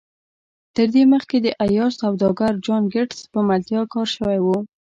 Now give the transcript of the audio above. تر دې مخکې د عياش سوداګر جان ګيټس په ملتيا کار شوی و.